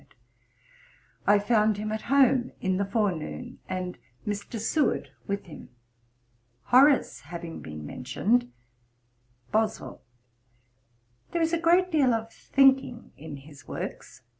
On Monday, April 29, I found him at home in the forenoon, and Mr. Seward with him. Horace having been mentioned; BOSWELL. 'There is a great deal of thinking in his works.